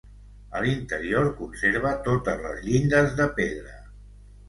A l'interior conserva totes les llindes de pedra.